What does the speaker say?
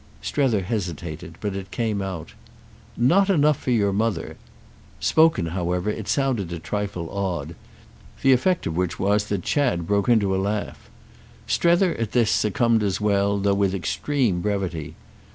Strether hesitated, but it came out. "Not enough for your mother!" Spoken, however, it sounded a trifle odd—the effect of which was that Chad broke into a laugh. Strether, at this, succumbed as well, though with extreme brevity.